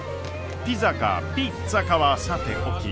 ピザかピッツァかはさておき。